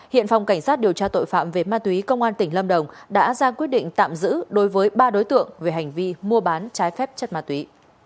hiện phòng cảnh sát điều tra tội phạm về ma túy công an tỉnh lâm đồng đã ra quyết định tạm giữ đối với ba đối tượng về hành vi mua bán trái phép chất ma túy